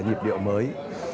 nhịp điệu mới